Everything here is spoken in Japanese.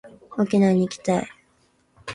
沖縄に行きたい